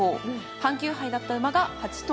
阪急杯だった馬が８頭。